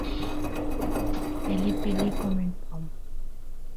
Elle est pelée comme une pomme.